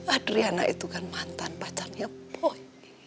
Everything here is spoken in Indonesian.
adriana itu kan mantan pacarnya boy